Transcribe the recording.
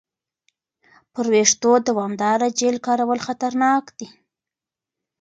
پر وېښتو دوامداره جیل کارول خطرناک دي.